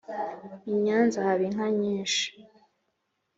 Inyanza haba inka nyinshi